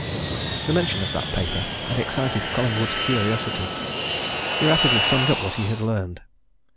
The mention of that paper had excited Collingwood's curiosity. He rapidly summed up what he had learned.